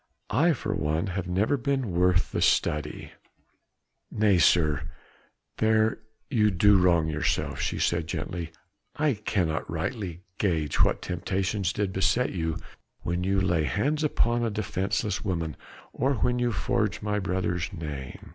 I for one have never been worth the study." "Nay, sir, there you do wrong yourself," she said gently, "I cannot rightly gauge what temptations did beset you when you laid hands upon a defenceless woman, or when you forged my brother's name